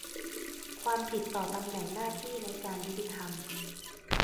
ความผิดต่อตำแหน่งหน้าที่ในการยุติธรรม